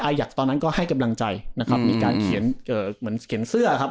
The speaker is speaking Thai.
อยากตอนนั้นก็ให้กำลังใจนะครับมีการเขียนเอ่อเหมือนเขียนเสื้อครับ